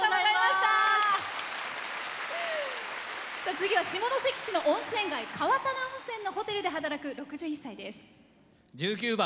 次は下関市の温泉街川棚温泉のホテルで働く１９番